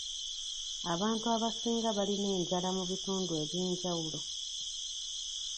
Abantu abasinga balina enjala mu bintu eby’enjawulo.